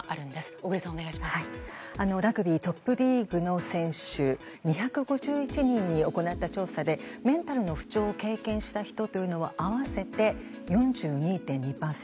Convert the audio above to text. ラグビートップリーグの選手２５１人に行った調査でメンタルの不調を経験したアスリートが合わせて４２．２％。